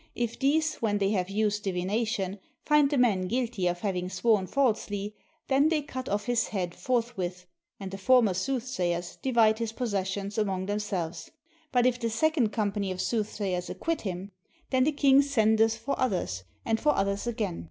If these, when they have used divination, find the man guilty of having sworn falsely, then they cut ofif his head forthwith, and the former soothsayers divide his possessions among themselves; but if the second company of soothsayers acquit him, then the king sendeth for others, and for others again.